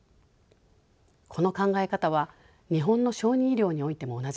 この考え方は日本の小児医療においても同じです。